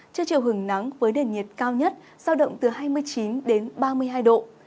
trên chiều hừng nắng với nền nhiệt cao nhất sao động từ hai mươi chín ba mươi hai độ